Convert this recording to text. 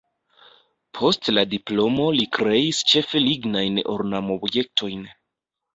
Post la diplomo li kreis ĉefe lignajn ornamobjektojn.